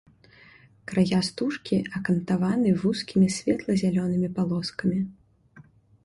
Края стужкі акантаваны вузкімі светла-зялёнымі палоскамі.